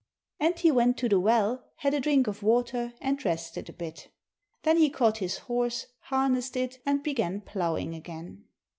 And he went to the well, had a drink of water, and rested a bit. Then he caught his horse, harnessed it, and began ploughing again.